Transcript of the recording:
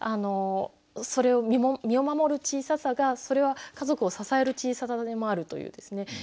で身を守る小ささがそれは家族を支える小ささでもあるというですね